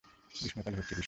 গ্রীষ্মকালে হচ্ছে বৃষ্টি!